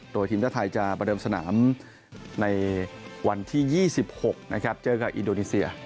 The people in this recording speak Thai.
โดยทีมชาติไทยจะประเดิมสนามในวันที่๒๖นะครับเจอกับอินโดนีเซีย